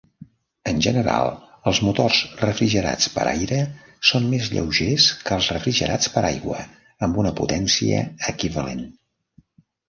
En general, els motors refrigerats per aire són més lleugers que els refrigerats per aigua amb una potència equivalent.